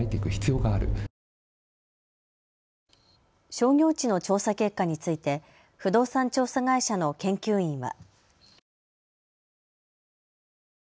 商業地の調査結果について不動産調査会社の研究員は。